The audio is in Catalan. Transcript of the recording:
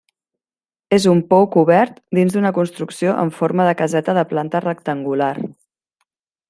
És un pou cobert dins d'una construcció en forma de caseta de planta rectangular.